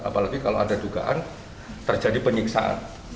apalagi kalau ada dugaan terjadi penyiksaan